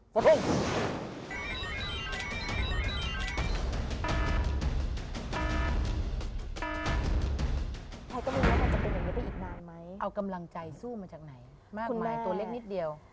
ใครก็ไม่รู้ว่ามันจะเป็นอย่างนี้ได้อีกนานไหม